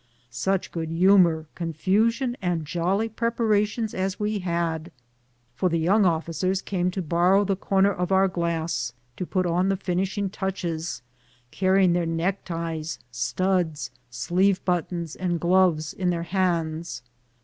Such good humor, con fusion, and jolly preparations as we had, for the yonng officers came to borrow the corner of our glass to put on the finishing touches, carrying their neckties, studs, sleeve buttons, and gloves in their hands.